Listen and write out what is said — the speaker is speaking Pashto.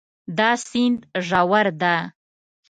دا سیند ژور ده